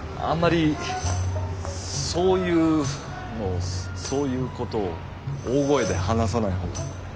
あんまりそういうのをそういうことを大声で話さない方が。